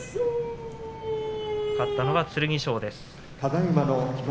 勝ったのは剣翔です。